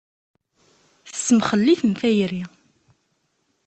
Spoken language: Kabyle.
Tessemxel-iten tayri.